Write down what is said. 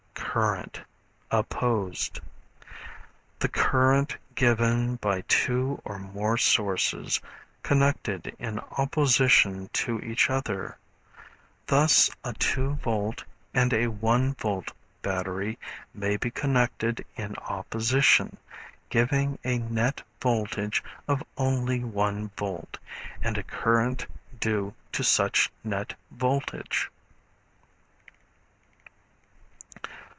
Current, Opposed. The current given by two or more sources connected in opposition to each other. Thus a two volt and a one volt battery may be connected in opposition, giving a net voltage of only one volt, and a current due to such net voltage.